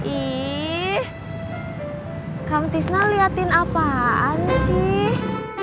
ih kamu tisna liatin apaan sih